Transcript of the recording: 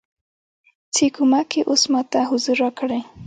څې کومه کې اوس ماته حضور راکړی